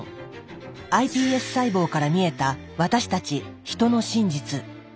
ｉＰＳ細胞から見えた私たちヒトの真実。